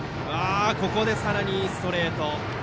ここでさらにストレート。